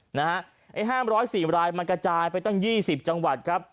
ห้ามร้อยสีรายมันกระจายไปตั้ง๒๐จังหวัดครับ